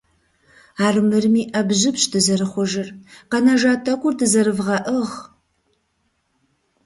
Армырми Ӏэбжьыбщ дызэрыхъужыр, къэнэжа тӀэкӀур дызэрывгъэӏыгъ!